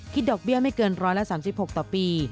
ขี้ดอกเบี้ยไม่เกินร้อยละ๓๖ต่อปี